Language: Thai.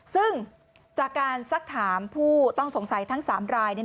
ซึ่งจากการสักถามผู้ต้องสงสัยทั้ง๓ราย